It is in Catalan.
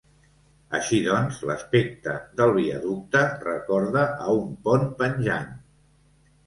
Així doncs, l'aspecte del viaducte recorda a un pont penjant.